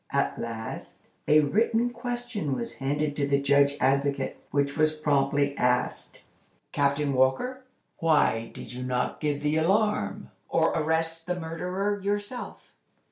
At last, a written question was handed to the Judge Advocate, which was promptly asked: "Captain Walker, why did you not give the alarm, or arrest the murderer yourself?"